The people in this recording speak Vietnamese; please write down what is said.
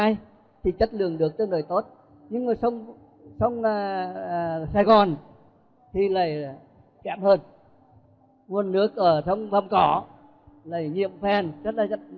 ý kiến của giáo sư huy bá